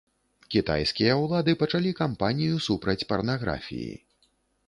Кітайскія ўлады пачалі кампанію супраць парнаграфіі.